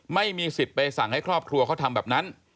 ไม่มีสิทธิ์ไปสั่งให้ครอบครัวเขาทำแบบนั้น